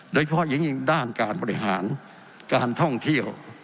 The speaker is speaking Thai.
โดยเฉพาะอย่างยิ่งด้านการบริหารการท่องเที่ยว